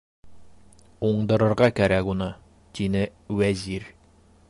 Уңдырырға кәрәк уны, - тине Вәзир.